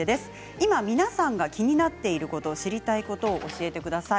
今、皆さんが気になっていること知りたいことを教えてください。